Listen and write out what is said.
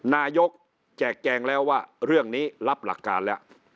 นายกแจกแจงแล้วว่าเรื่องนี้รับหลักการแล้ว